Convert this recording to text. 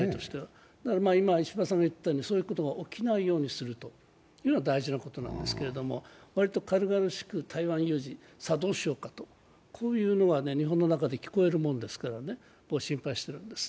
今、石破さんが言ったように、そういうことが起きないようにするのが大事なことなんですけど、割と軽々しく台湾有事、さあどうしようかと、こういうのが日本の中で聞こえるもんですから心配しているんです。